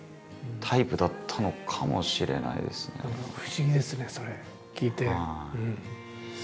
不思議ですねそれ聞いて。